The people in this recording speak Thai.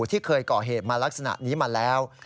ที่เคยก่อเหตุมาลักษณะนี้มาแล้ว